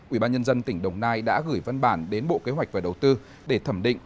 ủy ban nhân dân tỉnh đồng nai đã gửi văn bản đến bộ kế hoạch và đầu tư để thẩm định